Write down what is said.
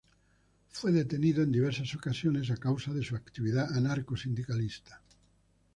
Fue detenido en diversas ocasiones a causa de su actividad anarcosindicalista.